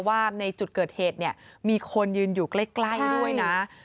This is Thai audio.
ว่าในจุดเกิดเหตุเนี่ยมีคนยืนอยู่ใกล้ด้วยนะ